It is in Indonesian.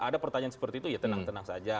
ada pertanyaan seperti itu ya tenang tenang saja